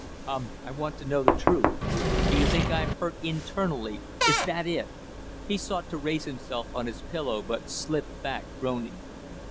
"Come I want to know the truth! Do you think I'm hurt internally, is that it?" He sought to raise himself on his elbow but slipped back groaning.